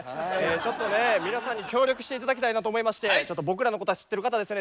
ちょっとね皆さんに協力して頂きたいなと思いましてちょっと僕らのこと知ってる方はですね